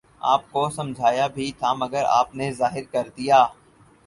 آپ کو سمجھایا بھی تھا مگر آپ نے ظاہر کر دیا۔